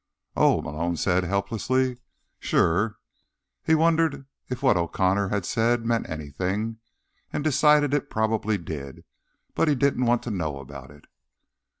"Oh," Malone said helplessly. "Sure." He wondered if what O'Connor had said meant anything, and decided that it probably did, but he didn't want to know about it.